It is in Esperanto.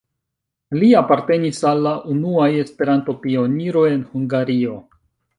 Li apartenis al la unuaj Esperanto-pioniroj en Hungario.